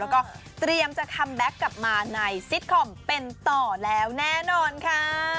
แล้วก็เตรียมจะคัมแบ็คกลับมาในซิตคอมเป็นต่อแล้วแน่นอนค่ะ